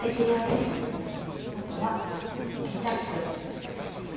あとはケチャップ。